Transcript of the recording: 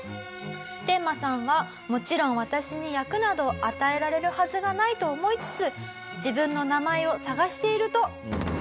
テンマさんはもちろん私に役など与えられるはずがないと思いつつ自分の名前を探していると。